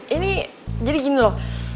ini jadi gini loh